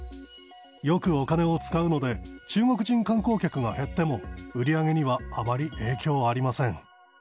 よくお金を使うので、中国人観光客が減っても、売り上げにはあまり影響ありません。